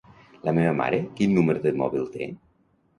La meva mare quin número de mòbil té?